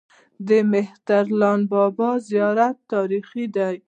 د مهترلام بابا زیارت تاریخي دی